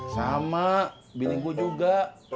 sama bini gue juga